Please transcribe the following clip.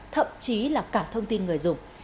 thậm chí là cả thông tin người dùng